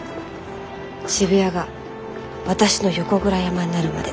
渋谷が私の横倉山になるまで。